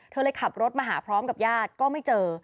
เลยขับรถมาหาพร้อมกับญาติก็ไม่เจอ